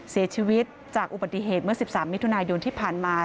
เสียชีวิตจากอุบัติเหตุเมื่อ๑๓มิถุนายนที่ผ่านมา